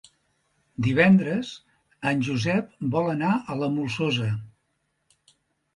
Divendres en Josep vol anar a la Molsosa.